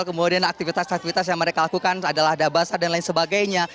kemudian aktivitas aktivitas yang mereka lakukan adalah ada basah dan lain sebagainya